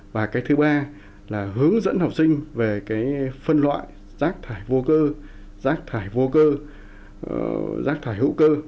và cái thứ ba là hướng dẫn học sinh về cái phân loại rác thải vô cơ rác thải vô cơ rác thải hữu cơ